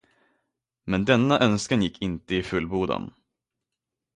Men denna önskan gick inte i fullbordan.